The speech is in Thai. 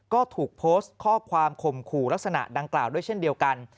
ก็ถูกโพสต์ข้อความข่มขู่ลักษณะดังกล่าวด้วยเช่นเดียวกัน